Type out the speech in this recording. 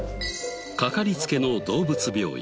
かかりつけの動物病院。